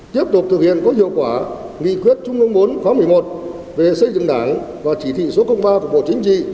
tiếp tục thực hiện có hiệu quả nghị quyết trung ương bốn khóa một mươi một về xây dựng đảng và chỉ thị số ba của bộ chính trị